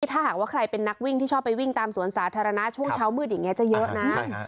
ถ้าหากว่าใครเป็นนักวิ่งที่ชอบไปวิ่งตามสวนสาธารณะช่วงเช้ามืดอย่างนี้จะเยอะนะ